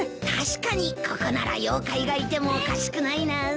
確かにここなら妖怪がいてもおかしくないな。